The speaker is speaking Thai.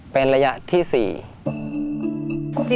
เป็นระยะที่๔